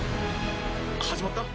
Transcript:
始まった？